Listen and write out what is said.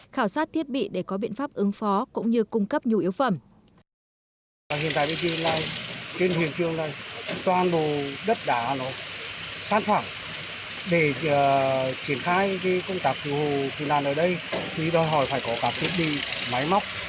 khảo sát thiết bị để có biện pháp ứng phó cũng như cung cấp nhu yếu phẩm